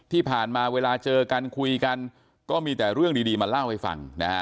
ที่ผ่านมาเวลาเจอกันคุยกันก็มีแต่เรื่องดีมาเล่าให้ฟังนะฮะ